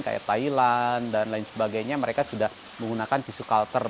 kayak thailand dan lain sebagainya mereka sudah menggunakan tisu culture